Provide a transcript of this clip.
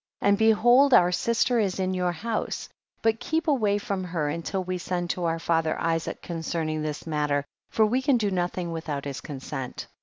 30. And behold our sister is in your house, but keep away from her until we send to our father Isaac concerning this matter, for we can do nothing without his consent.